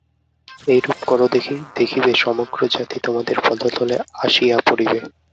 এইরূপ কর দেখি! দেখিবে, সমগ্রজাতি তোমাদের পদতলে আসিয়া পড়িবে।